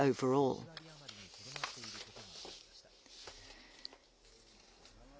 全体の１割余りにとどまっていることが分かりました。